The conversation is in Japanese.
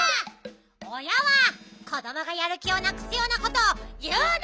おやは子どもがやる気をなくすようなこというな！